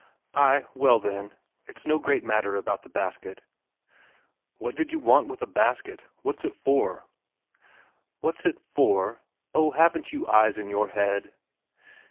"Ay well, then. It's no great matter about the basket." "What did you want with a basket? What's it for?" "What's it for?... Oh, haven't you eyes in your head!"